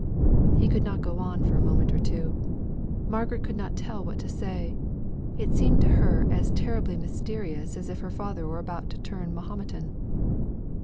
He could not go on for a moment or two. Margaret could not tell what to say; it seemed to her as terribly mysterious as if her father were about to turn Mahometan.